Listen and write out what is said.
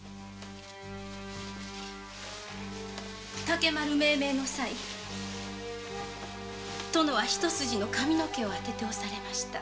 「竹丸」命名の際殿は一本の髪の毛を当てておされました。